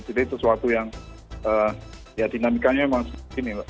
jadi itu sesuatu yang dinamikanya memang begini